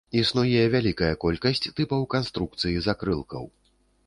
Існуе вялікая колькасць тыпаў канструкцыі закрылкаў.